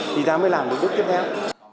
thì ta mới làm được bước tiếp theo